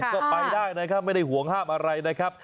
ก็ไปได้นะครับไม่ได้ห่วงห้ามอะไรนะครับ